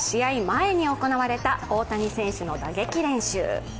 前に行われた大谷選手の打撃練習。